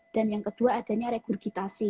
dan yang kedua adanya regurgitasi